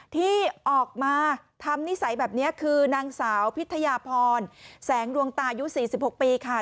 ที่ออกมาทำนิสัยแบบนี้คือนางสาวพิทยาพรแสงดวงตายุ๔๖ปีค่ะ